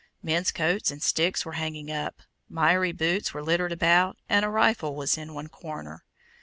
Men's coats and sticks were hanging up, miry boots were littered about, and a rifle was in one corner.